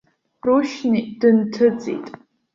Рушьни дынҭыҵит.